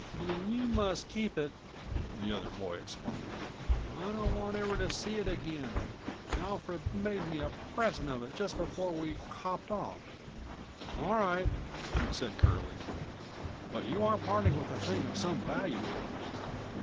"Then you must keep it," the other boy exclaimed. "I don't want ever to see it again. Alfred made me a present of it just before we hopped off." "All right," said Curlie, "but you are parting with a thing of some value."